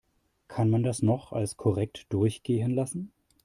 Kann man das noch als korrekt durchgehen lassen?